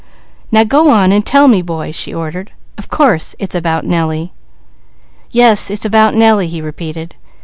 "Now go on and tell me, boy," she ordered. "Of course it's about Nellie." "Yes it's about Nellie," he repeated.